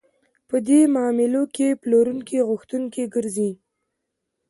په دې معاملو کې پلورونکی غوښتونکی ګرځي